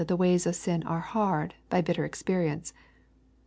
the ways of sin are hard, by hitter experience.